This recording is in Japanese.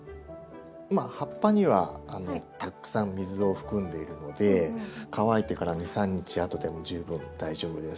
葉っぱにはたくさん水を含んでいるので乾いてから２３日あとでも十分大丈夫です。